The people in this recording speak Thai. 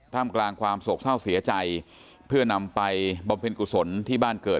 มกลางความโศกเศร้าเสียใจเพื่อนำไปบำเพ็ญกุศลที่บ้านเกิด